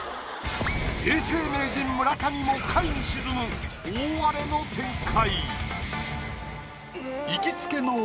永世名人村上も下位に沈む大荒れの展開。